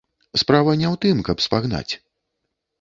Справа не ў тым, каб спагнаць.